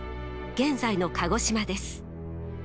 現在の鹿児島です。